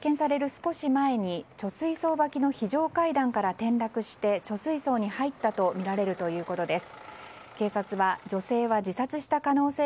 少し前に貯水槽脇の非常階段から転落して貯水槽に入ったとみられるということです。